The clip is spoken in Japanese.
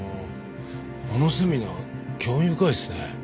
あのセミナー興味深いですね。